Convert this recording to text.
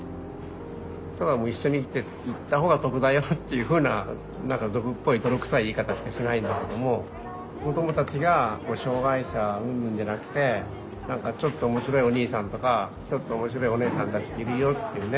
ただもう一緒に生きていった方が得だよっていうふうな何か俗っぽい泥臭い言い方しかしないんだけども子どもたちが障害者うんぬんじゃなくて何かちょっと面白いおにいさんとかちょっと面白いおねえさんたちいるよっていうね